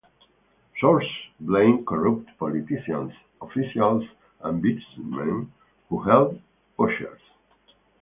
Sources blame corrupt politicians, officials and businessmen who help poachers.